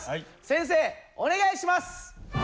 先生お願いします。